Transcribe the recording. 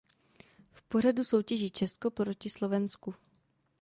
V pořadu soutěží Česko proti Slovensku.